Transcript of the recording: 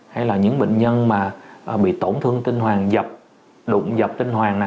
hay là những bệnh nhân mà bị tổn thương tinh hoàng đụng dập tinh hoàng